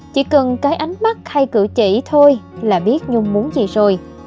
chỉ cần cái ánh mắt hay cử chỉ thôi là biết nhung muốn gì rồi